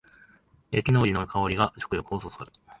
焼きのりの香りが食欲をそそる